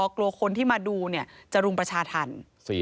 กลัวคนที่มาดูจะรุมประชาธรรม